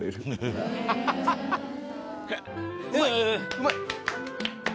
うまい！